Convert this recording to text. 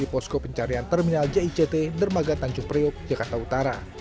pusko pencarian terminal jict dermaga tanjung priuk jakarta utara